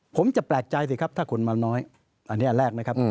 ผมจะแปลกใจสิครับถ้าคนมาน้อยอันนี้อันแรกนะครับ